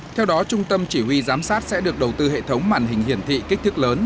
theo đó trung tâm chỉ huy giám sát sẽ được đầu tư hệ thống màn hình hiển thị kích thước lớn